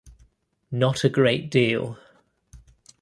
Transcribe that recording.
Not a great deal.